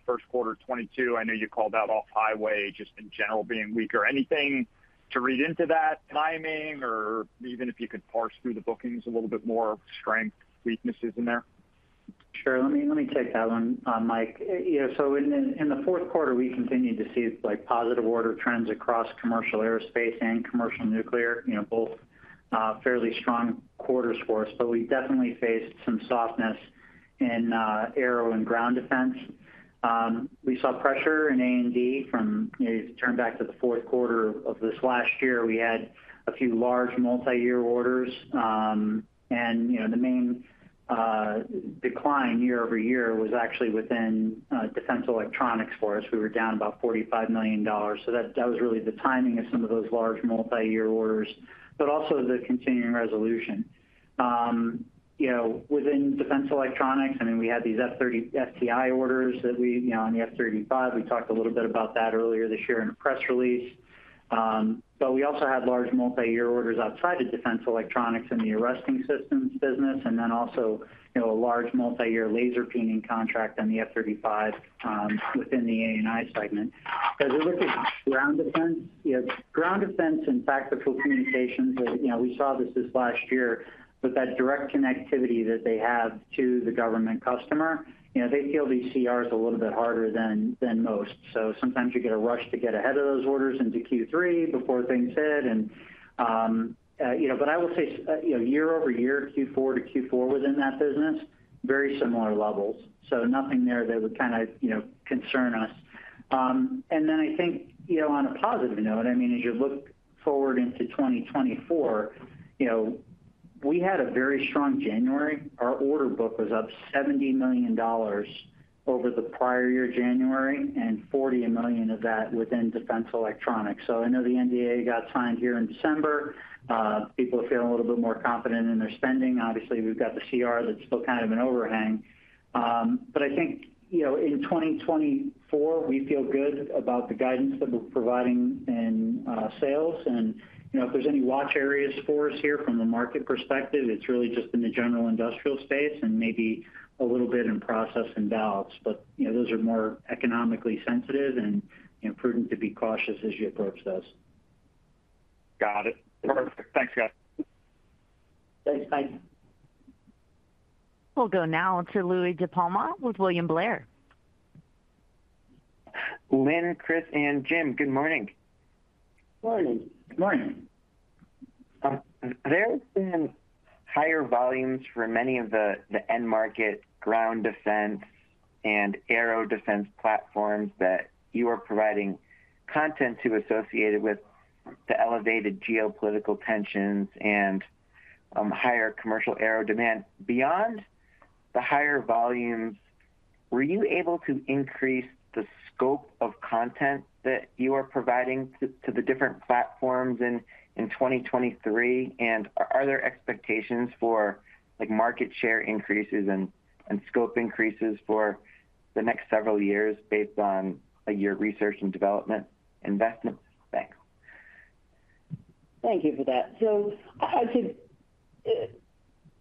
first quarter 2022. I know you called out off-highway just in general being weaker. Anything to read into that timing or even if you could parse through the bookings a little bit more, strengths, weaknesses in there? Sure. Let me take that one, Mike. So in the fourth quarter, we continued to see positive order trends across commercial aerospace and commercial nuclear, both fairly strong quarters for us. But we definitely faced some softness in aero and ground defense. We saw pressure in A&D from, if you turn back to the fourth quarter of this last year, we had a few large multi-year orders. And the main decline year-over-year was actually within defense electronics for us. We were down about $45 million. So that was really the timing of some of those large multi-year orders, but also the continuing resolution. Within defense electronics, I mean, we had these FTI orders that we on the F-35, we talked a little bit about that earlier this year in a press release. But we also had large multi-year orders outside of defense electronics in the arresting systems business and then also a large multi-year laser peening contract on the F-35 within the A&I segment. As we look at ground defense, ground defense and tactical communications, we saw this last year, but that direct connectivity that they have to the government customer, they feel these CRs a little bit harder than most. So sometimes you get a rush to get ahead of those orders into Q3 before things hit. But I will say year-over-year, Q4 to Q4 within that business, very similar levels. So nothing there that would kind of concern us. And then I think on a positive note, I mean, as you look forward into 2024, we had a very strong January. Our order book was up $70 million over the prior year January and $40 million of that within defense electronics. So I know the NDA got signed here in December. People are feeling a little bit more confident in their spending. Obviously, we've got the CR that's still kind of an overhang. But I think in 2024, we feel good about the guidance that we're providing in sales. And if there's any watch areas for us here from a market perspective, it's really just in the general industrial space and maybe a little bit in process and valves. But those are more economically sensitive, and prudent to be cautious as you approach those. Got it. Perfect. Thanks, guys. Thanks, Mike. We'll go now to Louie DiPalma with William Blair. Lynn, Chris, and Jim, good morning. Good morning. Good morning. There have been higher volumes for many of the end market ground defense and aero defense platforms that you are providing content to, associate it with the elevated geopolitical tensions and higher commercial aero demand. Beyond the higher volumes, were you able to increase the scope of content that you are providing to the different platforms in 2023? And are there expectations for market share increases and scope increases for the next several years based on your research and development investments? Thanks. Thank you for that. So I'd say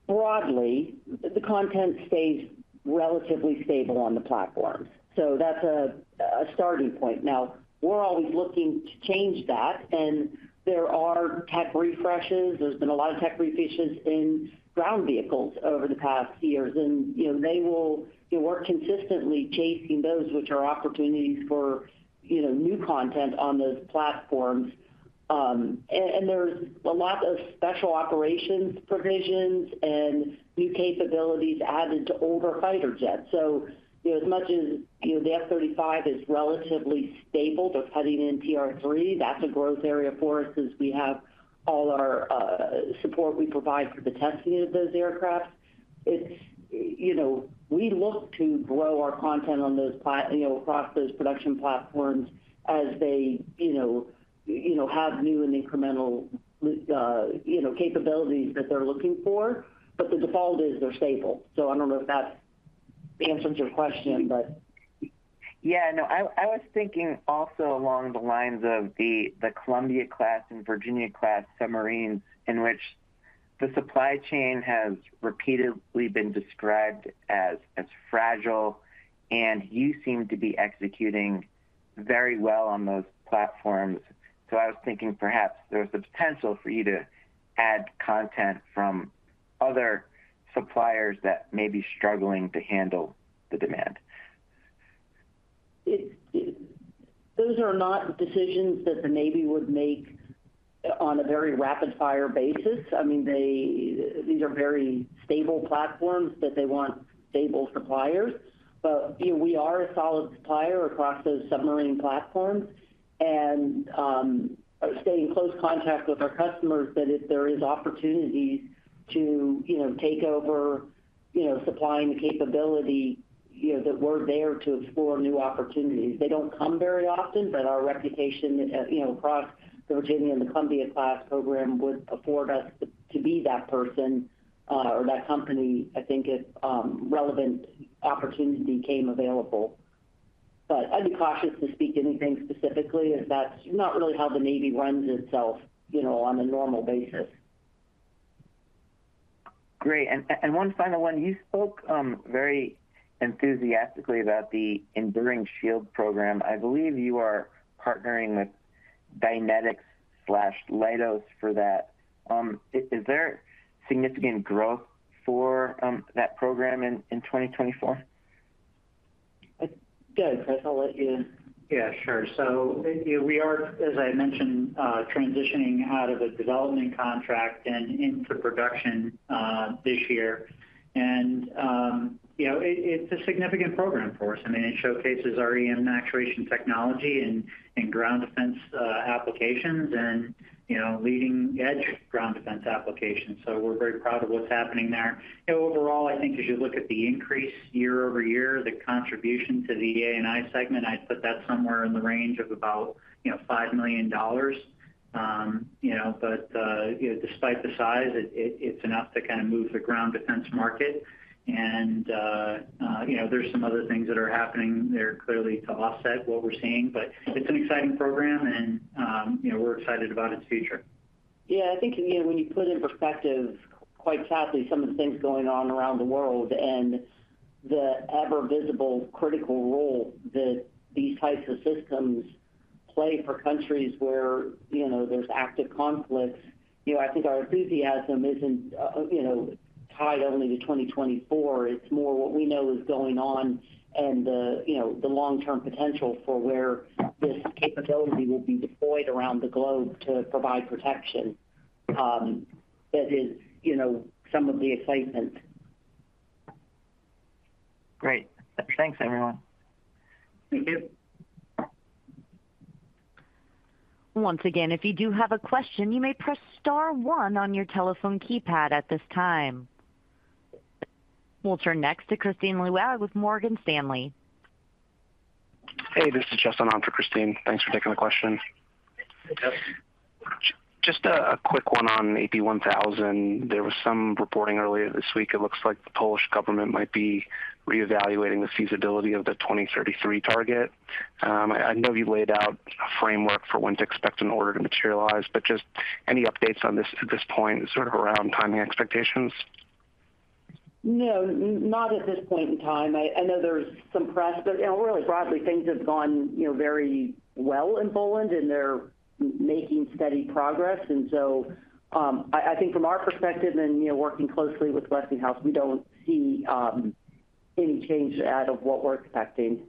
broadly, the content stays relatively stable on the platforms. So that's a starting point. Now, we're always looking to change that. And there are tech refreshes. There's been a lot of tech refreshes in ground vehicles over the past years. And they will work consistently chasing those which are opportunities for new content on those platforms. And there's a lot of special operations provisions and new capabilities added to older fighter jets. So as much as the F-35 is relatively stable, they're cutting in TR-3. That's a growth area for us as we have all our support we provide for the testing of those aircraft. We look to grow our content across those production platforms as they have new and incremental capabilities that they're looking for. But the default is they're stable. So I don't know if that answers your question, but. Yeah. No, I was thinking also along the lines of the Columbia-class and Virginia-class submarines in which the supply chain has repeatedly been described as fragile. You seem to be executing very well on those platforms. I was thinking perhaps there was the potential for you to add content from other suppliers that may be struggling to handle the demand. Those are not decisions that the Navy would make on a very rapid-fire basis. I mean, these are very stable platforms that they want stable suppliers. But we are a solid supplier across those submarine platforms and stay in close contact with our customers that if there are opportunities to take over supplying the capability that we're there to explore new opportunities. They don't come very often, but our reputation across the Virginia-class and the Columbia-class program would afford us to be that person or that company, I think, if relevant opportunity came available. But I'd be cautious to speak anything specifically as that's not really how the Navy runs itself on a normal basis. Great. And one final one. You spoke very enthusiastically about the Enduring Shield program. I believe you are partnering with Dynetics/Leidos for that. Is there significant growth for that program in 2024? Good, Chris. I'll let you. Yeah, sure. So we are, as I mentioned, transitioning out of a development contract and into production this year. And it's a significant program for us. I mean, it showcases our EM actuation technology and ground defense applications and leading-edge ground defense applications. So we're very proud of what's happening there. Overall, I think as you look at the increase year-over-year, the contribution to the A&I segment, I'd put that somewhere in the range of about $5 million. But despite the size, it's enough to kind of move the ground defense market. And there's some other things that are happening there clearly to offset what we're seeing. But it's an exciting program, and we're excited about its future. Yeah. I think when you put in perspective, quite sadly, some of the things going on around the world and the ever-visible critical role that these types of systems play for countries where there's active conflicts, I think our enthusiasm isn't tied only to 2024. It's more what we know is going on and the long-term potential for where this capability will be deployed around the globe to provide protection that is some of the excitement. Great. Thanks, everyone. Thank you. Once again, if you do have a question, you may press star 1 on your telephone keypad at this time. We'll turn next to Kristine Liwag with Morgan Stanley. Hey, this is Justin on for Kristine. Thanks for taking the question. Just a quick one on AP1000. There was some reporting earlier this week. It looks like the Polish government might be reevaluating the feasibility of the 2033 target. I know you laid out a framework for when to expect an order to materialize, but just any updates on this at this point, sort of around timing expectations? No, not at this point in time. I know there's some press, but really broadly, things have gone very well in Poland, and they're making steady progress. And so I think from our perspective and working closely with Westinghouse, we don't see any change to that of what we're expecting.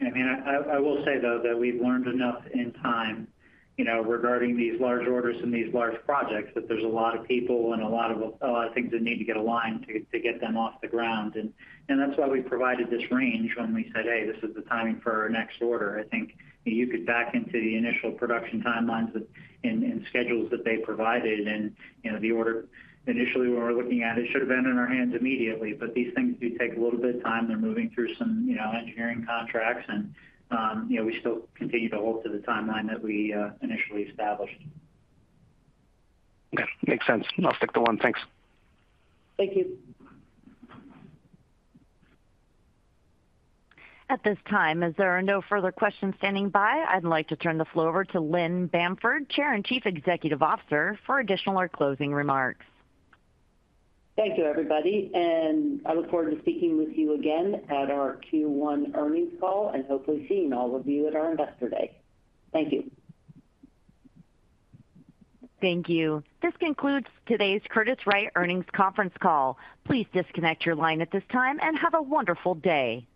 I mean, I will say, though, that we've learned enough in time regarding these large orders and these large projects that there's a lot of people and a lot of things that need to get aligned to get them off the ground. And that's why we provided this range when we said, "Hey, this is the timing for our next order." I think you could back into the initial production timelines and schedules that they provided. And the order initially when we were looking at it, it should have been in our hands immediately. But these things do take a little bit of time. They're moving through some engineering contracts. And we still continue to hold to the timeline that we initially established. Okay. Makes sense. I'll stick to one. Thanks. Thank you. At this time, as there are no further questions standing by, I'd like to turn the floor over to Lynn Bamford, Chair and Chief Executive Officer, for additional or closing remarks. Thank you, everybody. I look forward to speaking with you again at our Q1 earnings call and hopefully seeing all of you at our investor day. Thank you. Thank you. This concludes today's Curtiss-Wright Earnings Conference call. Please disconnect your line at this time and have a wonderful day.